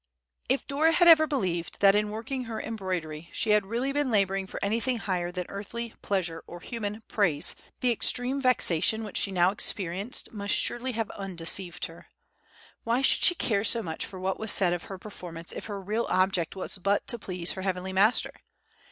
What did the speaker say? If Dora had ever believed that in working her embroidery she had really been laboring for anything higher than earthly pleasure or human praise, the extreme vexation which she now experienced must surely have undeceived her. Why should she care so much for what was said of her performance if her real object was but to please her Heavenly Master?